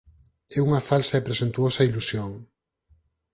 É unha falsa e presuntuosa ilusión.